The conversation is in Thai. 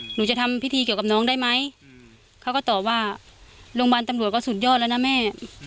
หนูจะทำพิธีเกี่ยวกับน้องได้ไหมเขาก็ตอบว่าโรงพยาบาลตำรวจก็สุดยอดแล้วนะแม่